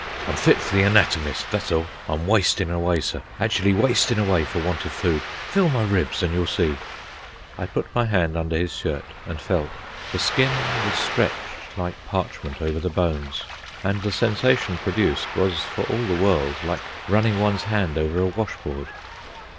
"I'm fit for the anatomist, that's all. I'm wastin' away, sir, actually wastin' away for want of food. Feel my ribs an' you'll see." I put my hand under his shirt and felt. The skin was stretched like parchment over the bones, and the sensation produced was for all the world like running one's hand over a washboard.